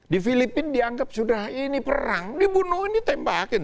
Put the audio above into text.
di filipina dianggap sudah ini perang dibunuh ini tembakin